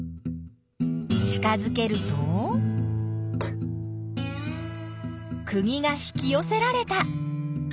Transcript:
近づけるとくぎが引きよせられた！